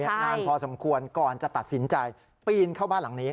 นานพอสมควรก่อนจะตัดสินใจปีนเข้าบ้านหลังนี้